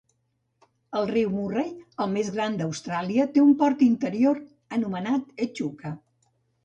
El riu Murray, el més gran d'Austràlia, té un port interior anomenat Echuca.